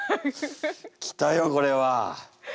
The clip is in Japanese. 来たよこれは。